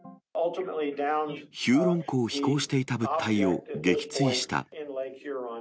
ヒューロン湖を飛行していた物体を撃墜した。